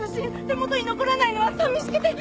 手元に残らないのはさみしくて。